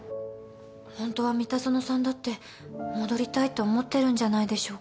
本当は三田園さんだって戻りたいと思ってるんじゃないでしょうか。